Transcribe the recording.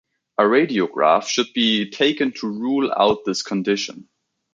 A radiograph should be taken to rule out this condition.